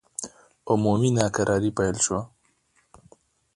عمومي ناکراري پیل شوه.